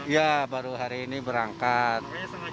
ya baru hari ini berangkat